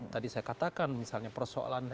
tadi saya katakan misalnya persoalan